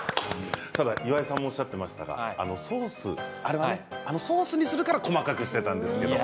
ただ、岩井さんもおっしゃっていましたがあのソースにするから細かくしていたんですけど。